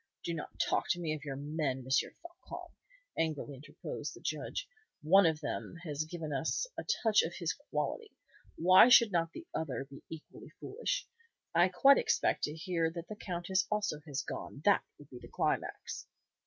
"Do not talk to me of your men, M. Floçon," angrily interposed the Judge. "One of them has given us a touch of his quality. Why should not the other be equally foolish? I quite expect to hear that the Countess also has gone, that would be the climax!"